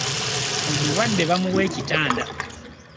Omulwadde bamuwa ekitanda.